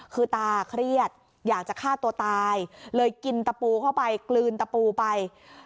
คือตาเครียดอยากจะฆ่าตัวตายเลยกินตะปูเข้าไปกลืนตะปูไป